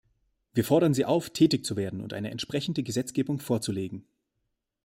Wir fordern sie auf, tätig zu werden und eine entsprechende Gesetzgebung vorzulegen.